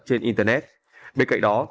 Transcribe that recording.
trên internet bên cạnh đó